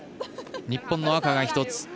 日本の赤が１つ。